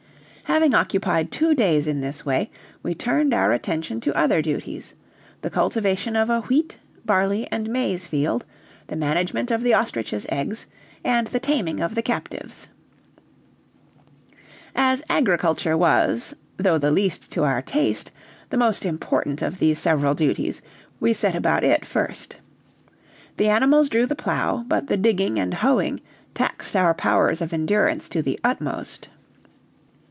Having occupied two days in this way, we turned our attention to other duties: the cultivation of a wheat, barley, and maize field, the management of the ostrich's eggs, and the taming of the captives. As agriculture was, though the least to our taste, the most important of these several duties, we set about it first. The animals drew the plow, but the digging and hoeing taxed our powers of endurance to the utmost.